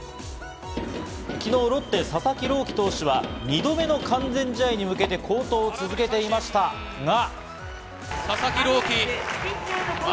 昨日、ロッテ・佐々木朗希投手は２度目の完全試合に向けて好投を続けていましたが。